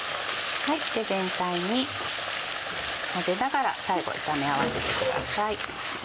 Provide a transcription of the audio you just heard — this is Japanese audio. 全体に混ぜながら最後炒め合わせてください。